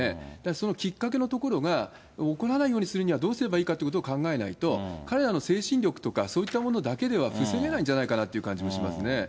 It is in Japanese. そのきっかけのところが起こらないようにするにはどうすればいいのかって考えないと、彼らの精神力とか、そういったものだけでは防げないんじゃないかなって気もしますね。